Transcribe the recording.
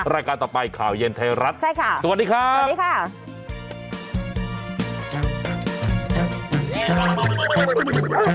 รายการต่อไปข่าวเย็นเทรัฐสวัสดีครับสวัสดีครับสวัสดีครับ